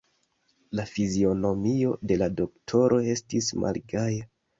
La fizionomio de la doktoro estis malgaja.